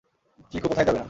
চিকু কোথায় যাবে না।